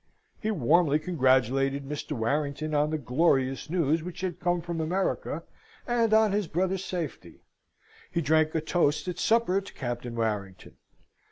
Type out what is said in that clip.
He warmly congratulated Mr. Warrington on the glorious news which had come from America, and on his brother's safety. He drank a toast at supper to Captain Warrington.